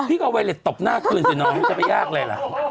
พี่ก็ไวเร็ดตบหน้าคืนสิน้อยมันจะไปยากเลยล่ะ